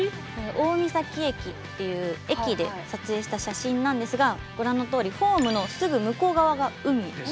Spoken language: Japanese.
大三東駅っていう駅で撮影した写真なんですがご覧のとおりホームのすぐ向こう側が海。ですね。